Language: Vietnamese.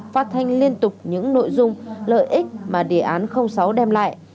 phát thanh liên tục những nội dung lợi ích mà đề án sáu đem lại